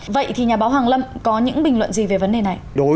vậy thì nhà báo hoàng lâm có những bình luận gì về vấn đề này